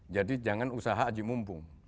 jadi jangan usaha aja mumpung